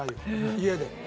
家で。